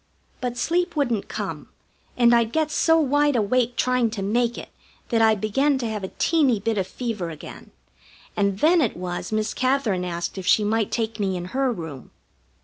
But sleep wouldn't come, and I'd get so wide awake trying to make it that I began to have a teeny bit of fever again, and then it was Miss Katherine asked if she might take me in her room.